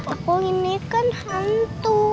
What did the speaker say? aku ini kan hantu